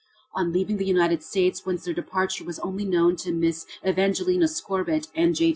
On leaving the United States, whence their departure was only known to Mrs. Evangelina Scorbitt, and J.